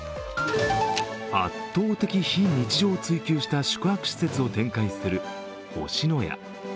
圧倒的非日常を追求した宿泊施設を展開する星のや。